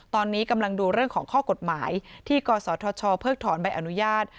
ตอนนี้กำลังดูเรื่องของข้อกฎหมายที่กศธชเพิกถอนใบอนุญาต